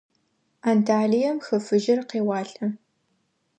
Анталием Хы Фыжьыр къеуалӏэ.